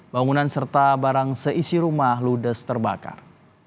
bangunan serta barang seisi rumah ludes terbakar